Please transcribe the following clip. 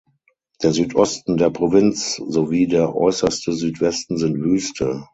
Der Südosten der Provinz sowie der äußerste Südwesten sind Wüste.